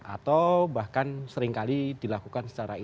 atau bahkan seringkali dilakukan secara il